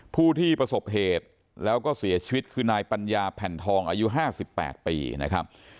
ผู้ที่ประสบเหตุแล้วก็เสียชีวิตคือนายปัญญาแผ่นทองอายุ๕๘ปีนะครับ